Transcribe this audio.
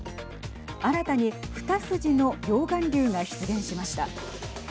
新たに二筋の溶岩流が出現しました。